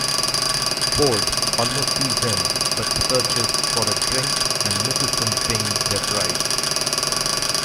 Ford almost sees him, but searches for a drink and misses him being vaporized.